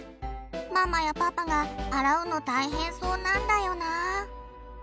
ママやパパが洗うの大変そうなんだよな。